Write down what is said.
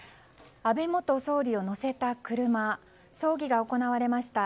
安倍元総理を乗せた車葬儀が行われました